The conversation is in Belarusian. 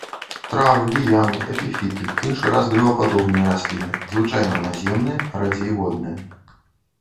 Травы, ліяны, эпіфіты, іншы раз дрэвападобныя расліны, звычайна наземныя, радзей водныя.